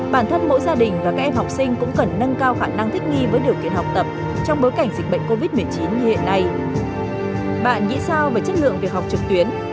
bạn nghĩ sao về chất lượng việc học trực tuyến